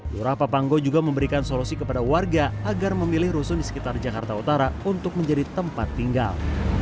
lurah papanggo juga memberikan solusi kepada warga agar memilih rusun di sekitar jakarta utara untuk menjadi tempat tinggal